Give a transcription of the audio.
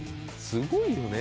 すごいよね。